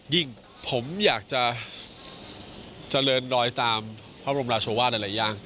ผมอยากจะเจริญรอยตามพระบรมราชวาสหลายอย่าง